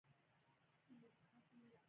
پسه د قربانۍ پیغام رسوي.